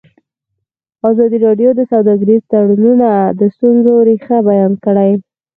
ازادي راډیو د سوداګریز تړونونه د ستونزو رېښه بیان کړې.